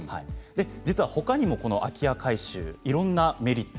ほかにも、空き家改修いろんなメリット